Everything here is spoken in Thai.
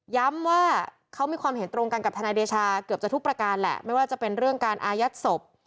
ย้ำว่าเขามีความเห็นตรงกันกับทนายเดชาเกือบจะทุกประการแหละไม่ว่าจะเป็นเรื่องการอายัดศพ